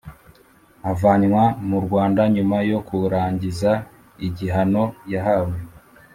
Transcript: avanwa mu rwanda nyuma yo kurangiza igihano yahawe.